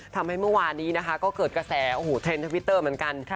ทำให้เมื่อวานนี้ก็เกิดกระแสเทรนด์ทวิตเตอร์เหมือนกัน